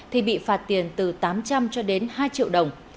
thì bị phạt tiền từ tám trăm linh cho đến hai triệu đồng